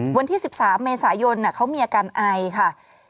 วันที่๑๓เมษายนเขามีอาการไอค่ะ